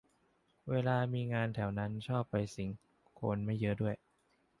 เวลามีงานแถวนั้นชอบไปสิง คนไม่เยอะด้วย